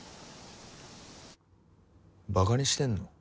ばかにしてんの？